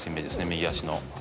右足の。